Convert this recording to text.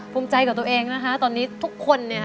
ภูมิใจกับตัวเองนะคะตอนนี้ทุกคนเนี่ยค่ะ